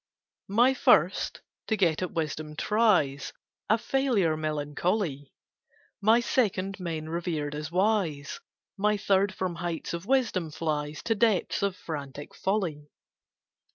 My First to get at wisdom tries— A failure melancholy! My Second men revered as wise: My Third from heights of wisdom flies To depths of frantic folly.